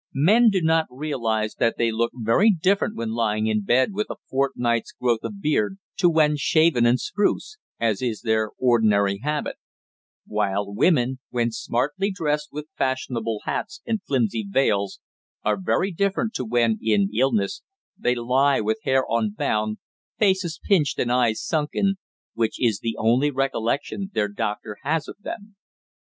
Men do not realise that they look very different when lying in bed with a fortnight's growth of beard to when shaven and spruce, as is their ordinary habit: while women, when smartly dressed with fashionable hats and flimsy veils, are very different to when, in illness, they lie with hair unbound, faces pinched and eyes sunken, which is the only recollection their doctor has of them.